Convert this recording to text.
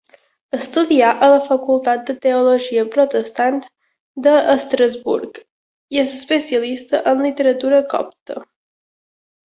Estudià a Facultat de Teologia Protestant d'Estrasburg i és especialista en literatura copta.